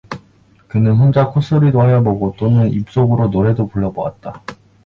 그는 혼자 콧소리도 하여 보고 또는 입속으로 노래도 불러 보았다.